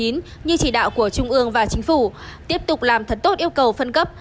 như chỉ đạo của trung ương và chính phủ tiếp tục làm thật tốt yêu cầu phân cấp